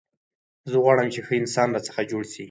زه غواړم، چي ښه انسان راڅخه جوړ سي.